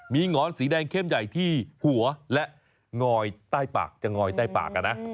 มีหงอนสีแดงเข้มใหญ่ที่หัวและงอยใต้ปากจะงอยใต้ปากนะ